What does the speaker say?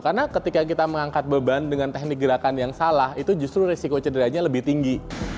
karena ketika kita mengangkat beban dengan teknik gerakan yang salah itu justru risiko cederanya lebih tinggi